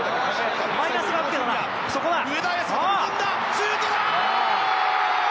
シュートだ！